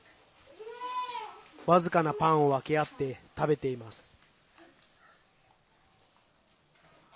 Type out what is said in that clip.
僅かなパンを分け合って食べています。